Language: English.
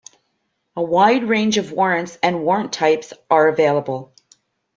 A wide range of warrants and warrant types are available.